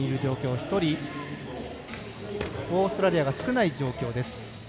１人、オーストラリアが少ない状況です。